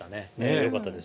よかったです。